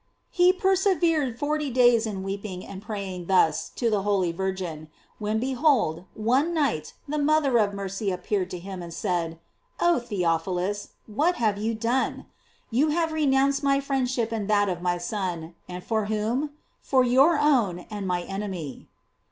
He persevered forty days in weeping and praying thus to the holy Virgin; when behold, one night the mother of mercy appeared to him and said: "Oh Theophilu?, what have you done? you have renounced my friendship and that of my Son; and for whom? fur your own and my enemy."